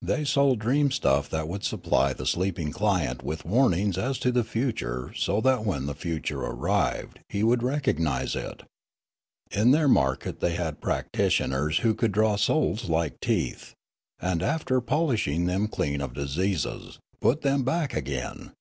They sold dream stuff that would supply the sleeping client with warnings as to the future so that when the future arrived he would recognise it. In their market they had prac titioners who could draw souls like teeth, and, after polishing them clean of diseases, put them back again.